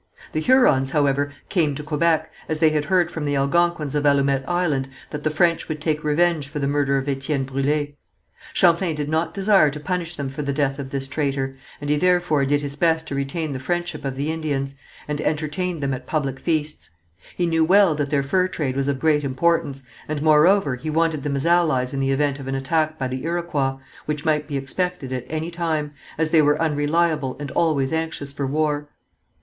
The Hurons, however, came to Quebec, as they had heard from the Algonquins of Allumette Island that the French would take revenge for the murder of Étienne Brûlé. Champlain did not desire to punish them for the death of this traitor, and he therefore did his best to retain the friendship of the Indians, and entertained them at public feasts. He knew well that their fur trade was of great importance, and, moreover, he wanted them as allies in the event of an attack by the Iroquois, which might be expected at any time, as they were unreliable and always anxious for war.